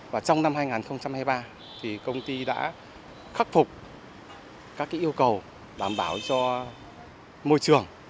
và trong năm hai nghìn hai mươi ba thì công ty đã khắc phục các yêu cầu đảm bảo cho môi trường